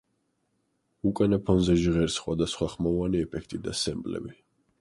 უკანა ფონზე ჟღერს სხვადასხვა ხმოვანი ეფექტი და სემპლები.